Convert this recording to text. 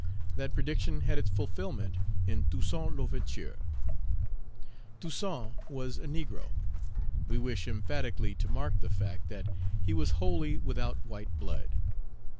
That prediction had its fulfilment in Toussaint L'Ouverture. Toussaint was a negro. We wish emphatically to mark the fact that he was wholly without white blood.